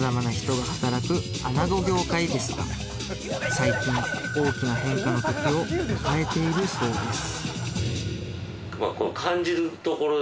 最近大きな変化のときを迎えているそうです